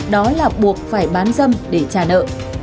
đó là buộc phải bán dâm để trả nợ